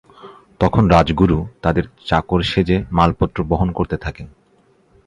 তখন রাজগুরু তাদের চাকর সেজে মালপত্র বহন করতে থাকেন।